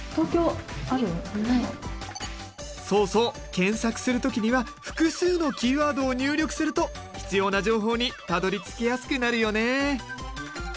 検索する時には複数のキーワードを入力すると必要な情報にたどりつきやすくなるよね。